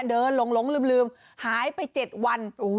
เดินหลงลืมหายไป๗วัน